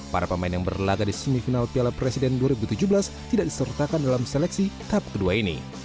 para pemain yang berlagak di semifinal piala presiden dua ribu tujuh belas tidak disertakan dalam seleksi tahap kedua ini